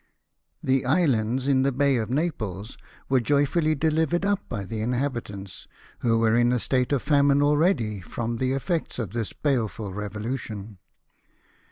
The islands in the Bay of Naples were joyfully delivered up by the inhabitants, who were m M 178 LIFE OF NELSON. a state of famine already, from the effect of this bale ful revolution.